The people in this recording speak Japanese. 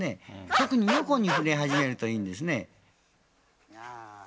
特に横に振り始めるといいんですね。